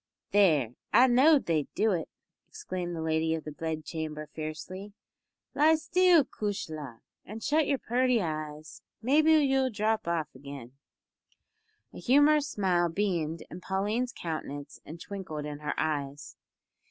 "There I know'd they'd do it!" exclaimed the lady of the bedchamber fiercely; "lie still, cushla! an' shut your purty eyes. Maybe you'll drop off again!" A humorous smile beamed in Pauline's countenance and twinkled in her eyes.